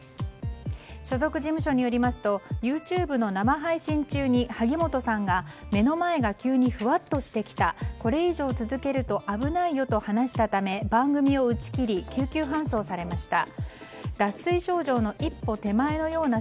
所属事務所によりますとＹｏｕＴｕｂｅの生配信中に萩本さんが目の前が急にふわったとしてきたこれ以上続けると危ないよと話したため番組を打ち切り救急搬送されました。